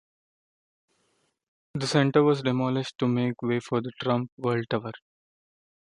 The Center was demolished to make way for the Trump World Tower.